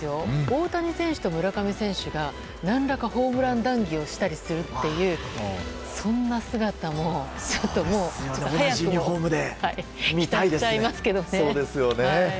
大谷選手と村上選手が何らかホームラン談義をしたりするそんな姿をちょっと早くも期待しちゃいますけどね。